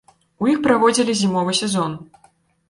У іх праводзілі зімовы сезон.